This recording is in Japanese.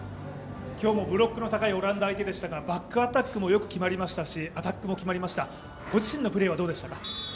今日もブロックの高いオランダ相手でしたがバックアタックもよく決まりましたし、アタックも決まりました御自身のプレー、いかがでしたか。